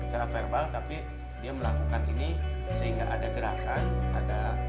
secara verbal tapi dia melakukan ini sehingga ada gerakan ada